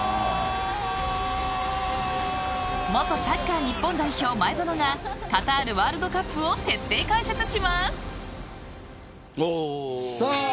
元サッカー日本代表前園がカタールワールドカップを徹底解説します。